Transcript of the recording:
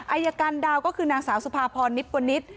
อายการดาวก็คือนางสาวสุภาพรนิบกวนิษฐ์